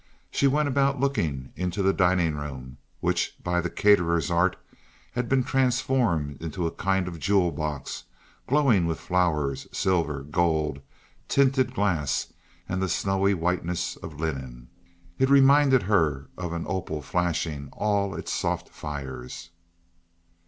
She went about looking into the dining room, which, by the caterer's art, had been transformed into a kind of jewel box glowing with flowers, silver, gold, tinted glass, and the snowy whiteness of linen. It reminded her of an opal flashing all its soft fires.